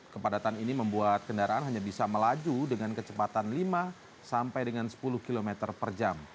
kepadatan ini membuat kendaraan hanya bisa melaju dengan kecepatan lima sampai dengan sepuluh km per jam